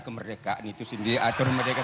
kemerdekaan itu sendiri aturan merdeka